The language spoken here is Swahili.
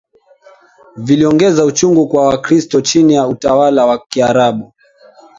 viliongeza uchungu kwa Wakristo chini ya utawala wa Kiarabu